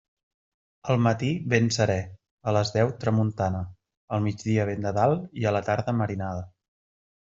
Al matí, vent serè; a les deu, tramuntana; al migdia, vent de dalt; i a la tarda, marinada.